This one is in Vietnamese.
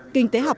kinh tế học